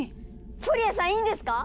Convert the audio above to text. フォリアさんいいんですか？